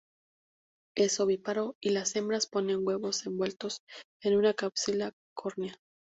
Es ovíparo y las hembras ponen huevos envueltos en una cápsula córnea.